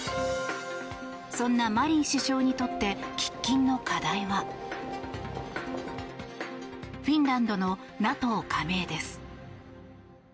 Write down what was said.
そんなマリン首相にとって喫緊の課題はフィンランドのＮＡＴＯ加盟です。